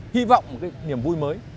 hy vọng một cái niềm vui mới